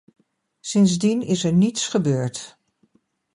Sindsdien is er niets gebeurd.